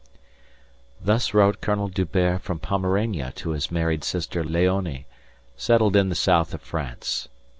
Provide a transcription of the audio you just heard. Thus wrote Colonel D'Hubert from Pomerania to his married sister Léonie, settled in the south of France.